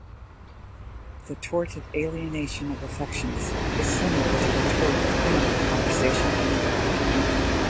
The tort of alienation of affections is similar to the tort of criminal conversation.